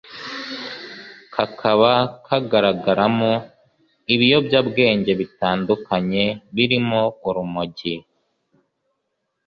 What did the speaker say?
kakaba kagaragaramo ibiyobyabwenge bitandukanye birimo urumogi